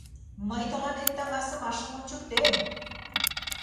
— Мый тыланет таҥасымашым ончыктем!..